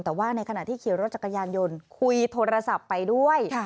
แต่ว่าในขณะที่ขี่รถจักรยานยนต์คุยโทรศัพท์ไปด้วย